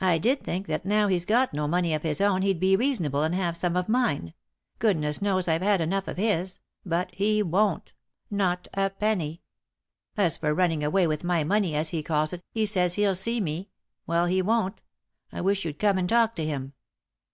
I did think that now he's got no money of his own he'd be reasonable, and have some of mine — goodness knows I've had enough of his — but he won't ; not a penny. As for running away with my money, 238 ;«y?e.c.V GOOglC THE INTERRUPTED KISS as he calls it, he says hell see me — well, he won't. I wish you'd come and talk to him."